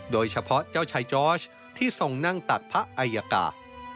โดยเฉพาะเจ้าชายจอร์ชที่ทรงนั่งตักพระอัยกา